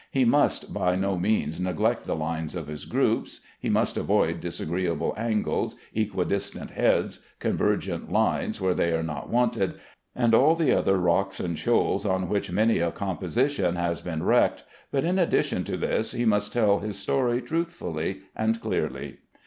He must by no means neglect the lines of his groups, he must avoid disagreeable angles, equidistant heads, convergent lines where they are not wanted, and all the other rocks and shoals on which many a composition has been wrecked, but in addition to this he must tell his story truthfully and clearly.